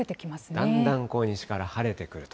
だんだん西から晴れてくると。